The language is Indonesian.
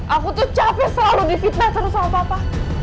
aku tuh capek selalu difitnah terus sama papa